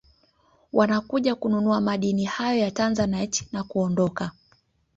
Wanakuja kununua madini hayo ya Tanzanite na kuondoka